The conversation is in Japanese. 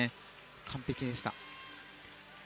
完璧でした。